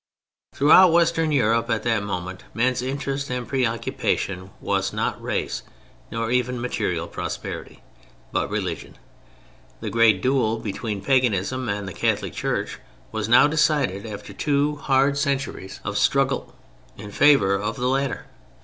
Throughout Western Europe at that moment men's interest and preoccupation was not race nor even material prosperity, but religion. The great duel between Paganism and the Catholic Church was now decided, after two hard centuries of struggle, in favor of the latter.